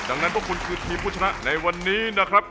ดังนั้นพวกคุณคือทีมผู้ชนะในวันนี้นะครับ